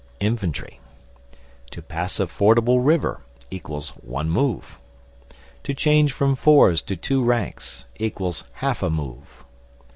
Infantry. To pass a fordable river = one move. To change from fours to two ranks = half a move.